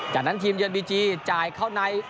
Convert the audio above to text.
จากนั้นทีมเยือนบีจีจ่ายเข้าใน